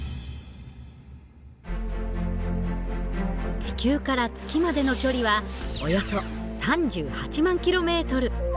地球から月までの距離はおよそ３８万ｋｍ。